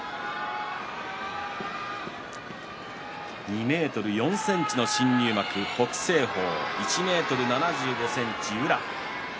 ２ｍ４ｃｍの新入幕北青鵬１ｍ７５ｃｍの宇良。